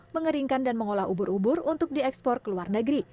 mengeringkan dan mengolah ubur ubur untuk diekspor ke luar negeri